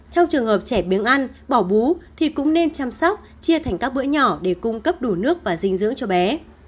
trong trường hợp trẻ miếng ăn bỏ bú thì cũng nên chăm sóc chia thành các bữa nhỏ để cung cấp đủ nước và dinh dưỡng cho bé